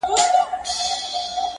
همدارنګه افغان ډياسپورا کولای سي